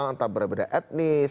entah berbeda etnis